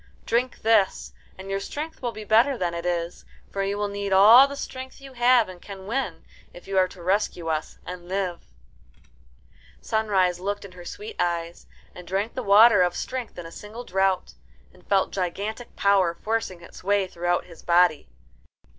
Drink this, and your strength will be greater than it is; for you will need all the strength you have and can win, if you are to rescue us and live." Sunrise looked in her sweet eyes, and drank the water of strength in a single draught, and felt gigantic power forcing its way throughout his body.